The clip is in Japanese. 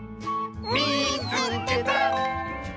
「みいつけた！」。